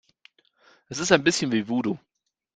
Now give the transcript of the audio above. Es ist ein bisschen wie Voodoo.